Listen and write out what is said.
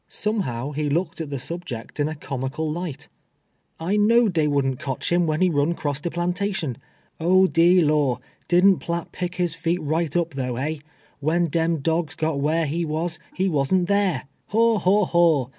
Somehow, he looked at the subject in a comical light. " I I'fiow'd dey wouhrnt cotch him, when he run cross de phmtation. (), de lor', did'nt Piatt ])ick his feet right np, tho', hey ? "When deni dogs got wliar he •was, he was'nt da/' — haw, haw, haw